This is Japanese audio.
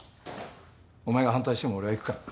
お前が反対しても俺は行くからな。